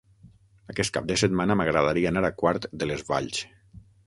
Aquest cap de setmana m'agradaria anar a Quart de les Valls.